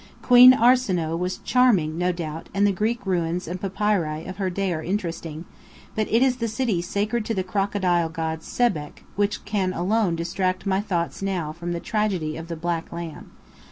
Queen Arsinoë was charming, no doubt; and the Greek ruins and papyri of her day are interesting, but it is the city sacred to the crocodile god Sebek which can alone distract my thoughts now from the tragedy of the black lamb.